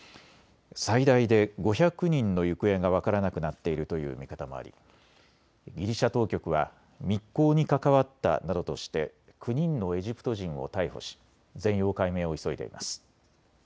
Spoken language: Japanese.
最大で５００人の行方が分からなくなっているという見方もあり、ギリシャ当局は密航に関わったなどとして９人のエジプト人を逮捕し全容解明を急いでいます。